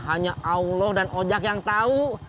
hanya allah dan ojak yang tahu